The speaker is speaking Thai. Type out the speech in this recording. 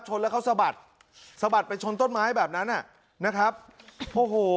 แล้วเขาสะบัดสะบัดไปชนต้นไม้แบบนั้นอ่ะนะครับโอ้โห